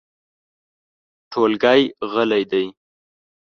ټولګی غلی دی .